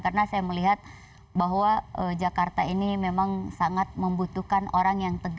karena saya melihat bahwa jakarta ini memang sangat membutuhkan orang yang terpenuhi